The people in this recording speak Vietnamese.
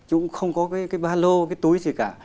chúng không có cái ba lô cái túi gì cả